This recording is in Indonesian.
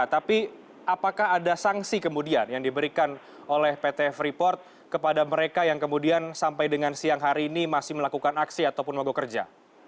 tapi apakah ada sanksi kemudian yang diberikan oleh pt freeport kepada mereka yang kemudian sampai dengan siang hari ini masih melakukan aksi ataupun mogok kerja